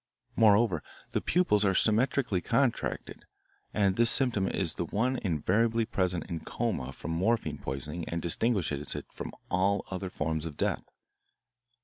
Moreover, the pupils are symmetrically contracted, and this symptom is the one invariably present in coma from morphine poisoning and distinguishes it from all other forms of death.